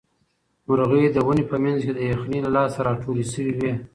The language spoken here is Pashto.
مرغۍ د ونې په منځ کې د یخنۍ له لاسه راټولې شوې وې.